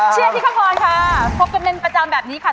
เชื่อที่ข้างคอนค่ะพบกันเป็นประจำแบบนี้ค่ะ